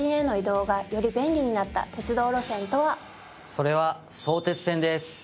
それは相鉄線です。